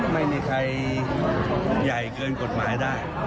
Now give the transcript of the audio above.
ไม่มีใครใหญ่เกินกฎหมายได้